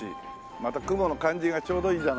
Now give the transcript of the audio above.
また雲の感じがちょうどいいじゃないの。